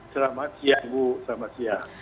selamat siang bu selamat siang